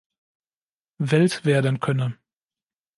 Welt werden könne.